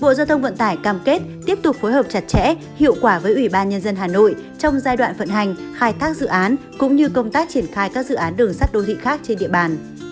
bộ giao thông vận tải cam kết tiếp tục phối hợp chặt chẽ hiệu quả với ủy ban nhân dân hà nội trong giai đoạn vận hành khai thác dự án cũng như công tác triển khai các dự án đường sắt đô thị khác trên địa bàn